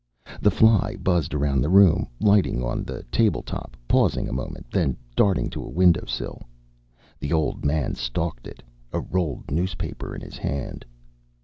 The fly buzzed around the room, lighting on a table top, pausing a moment, then darting to a window sill. The old man stalked it, a rolled newspaper in his hand.